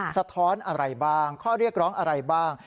สะท้อนอะไรบ้างข้อเรียกร้องอะไรบ้าง